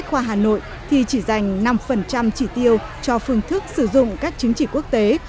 theo bách khoa hà nội thì chỉ dành năm trị tiêu cho phương thức sử dụng các chính trị quốc tế